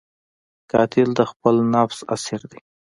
قاتل د خپل نفس اسیر دی